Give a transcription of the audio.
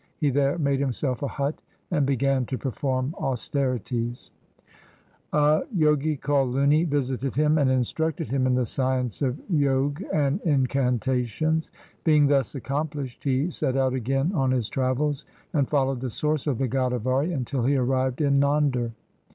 He there made himself a hut and began to perform austerities. A Jogi called Luni visited him and instructed him 238 THE SIKH RELIGION in the science of Jog and incantations. Being thus accomplished, he set out again on his travels, and followed the source of the Godavari until he arrived in Nander.